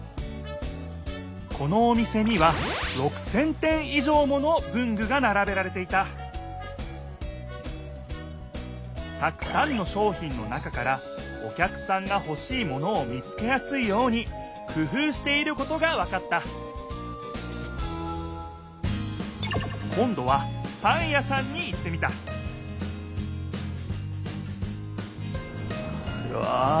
このお店には６，０００点以上もの文具がならべられていたたくさんの商品の中からお客さんがほしいものを見つけやすいようにくふうしていることがわかった今どはパン屋さんに行ってみたうわ！